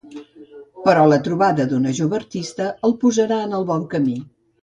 Però la trobada d'una jove artista el posarà en el bon camí.